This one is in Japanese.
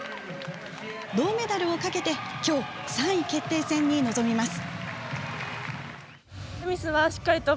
銅メダルをかけてきょう、３位決定戦に臨みます。